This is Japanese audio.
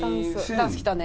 ダンスきたね。